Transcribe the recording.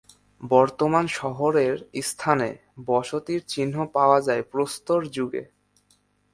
বর্তমান শহরের স্থানে বসতির চিহ্ন পাওয়া যায় প্রস্তর যুগে।